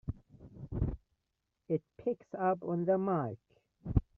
It picks up on the mike!